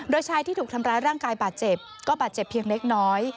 โดยชายที่ถูกทำร้ายร่างกายบาดเจ็บก็บาดเจ็บเพียงเล็กน้อย